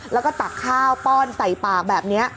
แล้วก็ตักข้าวป้อนใส่ปากแบบนี้